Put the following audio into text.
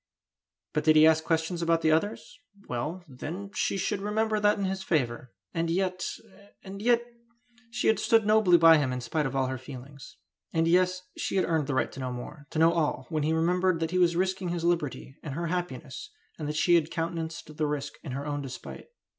But did he ask questions about the others? Well, then, she should remember that in his favour. And yet and yet she had stood nobly by him in spite of all her feelings! And yes, she had earned the right to know more to know all when he remembered that he was risking his liberty and her happiness, and that she had countenanced the risk in her own despite!